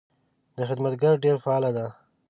دا خدمتګر ډېر فعاله ده.